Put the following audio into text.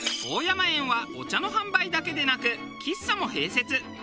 大山園はお茶の販売だけでなく喫茶も併設。